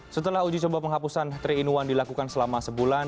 setelah uji coba penghapusan tiga in satu dilakukan selama sebulan